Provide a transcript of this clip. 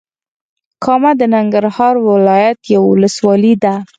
کامه د ننګرهار ولايت یوه ولسوالې ده.